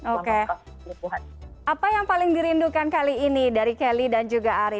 oke apa yang paling dirindukan kali ini dari kelly dan juga ari